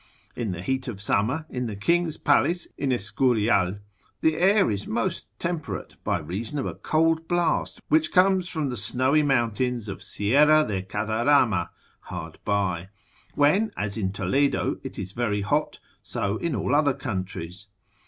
In the heat of summer, in the king's palace in Escurial, the air is most temperate, by reason of a cold blast which comes from the snowy mountains of Sierra de Cadarama hard by, when as in Toledo it is very hot: so in all other countries.